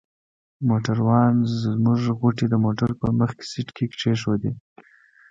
موټروان زموږ غوټې د موټر په مخکني سیټ کې کښېښودې.